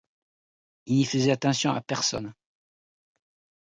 Il n'y faisait attention à personne.